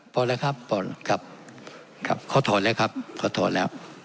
พอแล้วครับพอครับครับเขาถอนแล้วครับเขาถอนแล้ว